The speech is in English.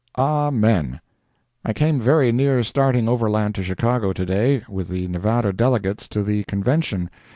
AMEN I came very near starting overland to Chicago to day, with the Nevada delegates to the convention.